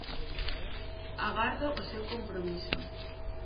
Agardo o seu compromiso.